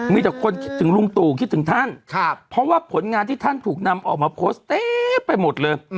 มีแต่คนคิดถึงลุงตู่คิดถึงท่านเพราะว่าผลงานที่ท่านถูกนำออกมาโพสต์เต็มไปหมดเลย